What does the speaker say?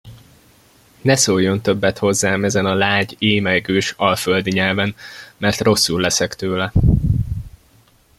Ne szóljon többet hozzám ezen a lágy, émelygős, alföldi nyelven, mert rosszul leszek tőle!